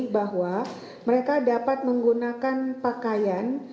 bahwa mereka dapat menggunakan pakaian